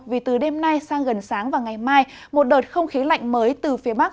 vì từ đêm nay sang gần sáng và ngày mai một đợt không khí lạnh mới từ phía bắc